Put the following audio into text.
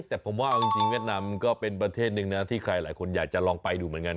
แต่ผมว่าเอาจริงเวียดนามก็เป็นประเทศหนึ่งนะที่ใครหลายคนอยากจะลองไปดูเหมือนกัน